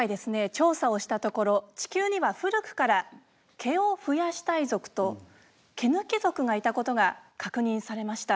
調査をしたところ地球には古くから毛を増やしたい族と毛抜き族がいたことが確認されました。